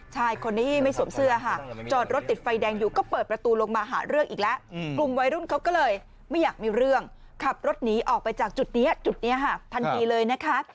ชายคนนี้ไม่สวมเสื้อค่ะจอดรถติดไฟแดงอยู่ก็เปิดประตูลงมาหาเรื่องอีกแล้วกลุ่มวัยรุ่นเขาก็เลยไม่อยากมีเรื่องขับรถหนีออกไปจากจุดนี้จุดนี้ค่ะทันทีเลยนะคะ